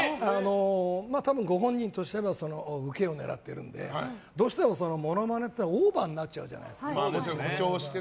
まあ多分、ご本人としてはウケを狙ってるのでどうしてもモノマネというのはオーバーになっちゃうじゃないですか。